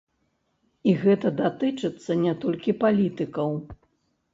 І гэта датычыцца не толькі палітыкаў.